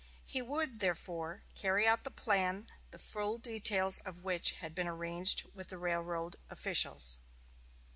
He would, therefore, carry out the plan, the full details of which had been arranged with the railroad officials.